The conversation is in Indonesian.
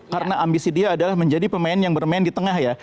karena ambisi dia adalah menjadi pemain yang bermain di tengah ya